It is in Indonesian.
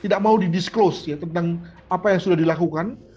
tidak mau di disclose ya tentang apa yang sudah dilakukan